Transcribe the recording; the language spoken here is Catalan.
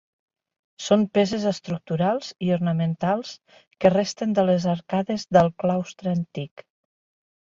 Són peces estructurals i ornamentals que resten de les arcades del claustre antic.